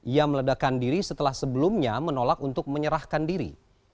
ia meledakan diri setelah sebelumnya menolak untuk menyerahkan diri